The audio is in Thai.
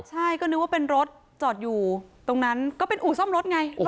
ใช่ก็นึกว่าเป็นรถจอดอยู่ตรงนั้นก็เป็นอู่ซ่อมรถไง